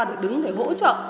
để đứng để hỗ trợ